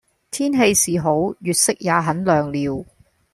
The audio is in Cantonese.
天氣是好，月色也很亮了。